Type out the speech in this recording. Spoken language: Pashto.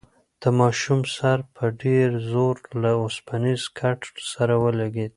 د ماشوم سر په ډېر زور له اوسپنیز کټ سره ولگېد.